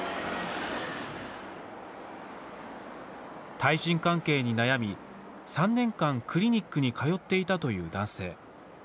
対人関係に悩み３年間、クリニックに通っていたという男性。